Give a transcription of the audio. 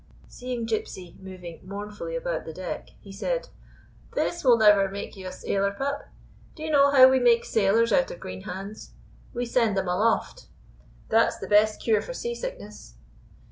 Seeing Gypsy moving mournfully about the deck, he said: " This will never make you a sailor, pup. Do you know how we make sailors out of green hands? We send 'em aloft". That *s the best cure for seasickness."